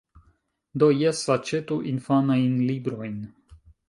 Do, jes. Aĉetu infanajn librojn.